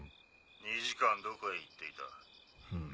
２時間どこへ行っていた？